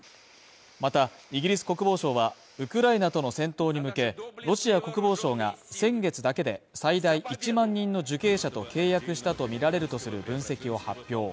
また、イギリス国防省は、ウクライナとの戦闘に向け、ロシア国防省が先月だけで最大１万人の受刑者と契約したとみられるとする分析を発表。